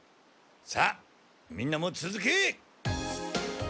さあみんなもつづけ！